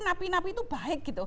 napi napi itu baik